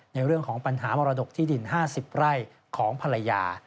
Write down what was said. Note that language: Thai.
ในเรื่องของปัญหามรดกที่ดิน๕๐ไร่ของภรรยา